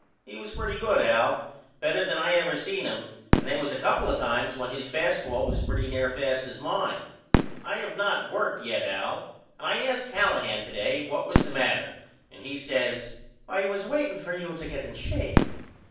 He was pretty good Al, better than I ever seen him and they was a couple of times when his fast ball was pretty near as fast as mine. I have not worked yet Al and I asked Callahan to day what was the matter and he says I was waiting for you to get in shape.